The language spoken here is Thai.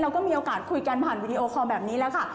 เราก็มีโอกาสคุยกันผ่านวีดีโอคอลแบบนี้แล้วค่ะ